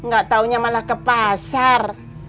gak taunya malah ke pasar